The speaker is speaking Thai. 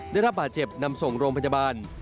ได้รับบาดเจ็บนำส่งโรงพยาบาล